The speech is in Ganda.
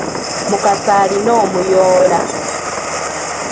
Mukasa alina omuyoola.